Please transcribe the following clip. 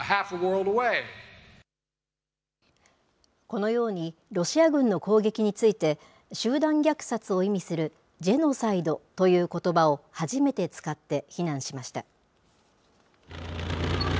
このように、ロシア軍の攻撃について、集団虐殺を意味するジェノサイドということばを初めて使って、非難しました。